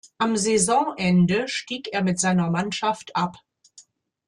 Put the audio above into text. Am Saisonende stieg er mit seiner Mannschaft ab.